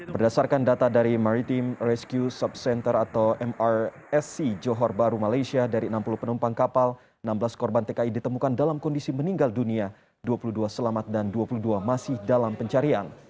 berdasarkan data dari maritim rescue subcenter atau mrsc johor baru malaysia dari enam puluh penumpang kapal enam belas korban tki ditemukan dalam kondisi meninggal dunia dua puluh dua selamat dan dua puluh dua masih dalam pencarian